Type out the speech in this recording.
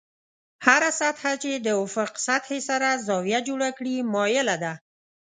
هره سطحه چې د افق سطحې سره زاویه جوړه کړي مایله ده.